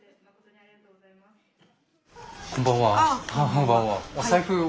こんばんは。